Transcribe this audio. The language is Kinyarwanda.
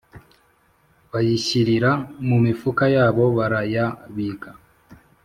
bayishyirira mu mifuka yabo barayabika